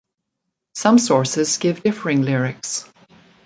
Some sources give differing lyrics.